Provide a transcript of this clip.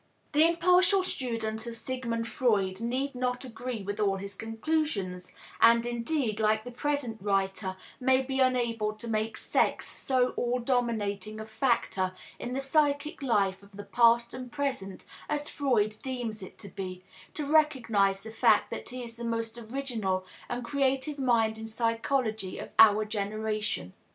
The impartial student of Sigmund Freud need not agree with all his conclusions, and indeed, like the present writer, may be unable to make sex so all dominating a factor in the psychic life of the past and present as Freud deems it to be, to recognize the fact that he is the most original and creative mind in psychology of our generation.